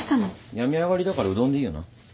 病み上がりだからうどんでいいよな？